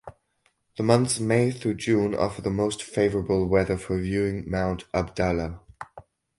The months May through June offer the most favorable weather for viewing Mount Abdallah.